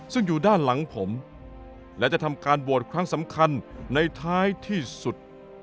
ซึ่งอยู่ด้านหลังผมและจะทำการโหวตครั้งสำคัญในท้ายที่สุด